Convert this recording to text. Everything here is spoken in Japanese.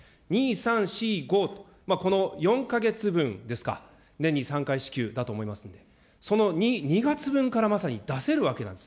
３、４、５、この４か月分ですか、年に３回支給だと思いますんで、その２月分からまさに出せるわけなんです。